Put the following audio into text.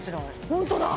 本当だ